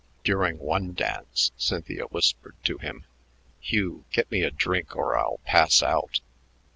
During one dance Cynthia whispered to him, "Hugh, get me a drink or I'll pass out."